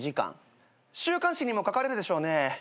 週刊誌にも書かれるでしょうね。